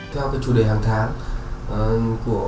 theo chủ đề hàng tháng của